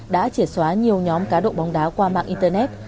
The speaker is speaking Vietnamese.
đã triệt xóa nhiều nhóm cá độ bóng đá qua mạng internet